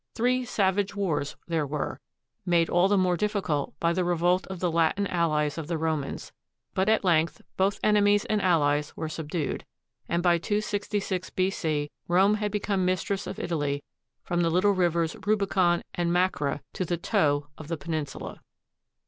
Three savage wars there were, made all the more difficult by the revolt of the Latin allies of the Romans; but at length both enemies and allies were sub dued, and by 266 B.C. Rome had become mistress of Italy from the little rivers Rubicon and Macra to the " toe" of the peninsula.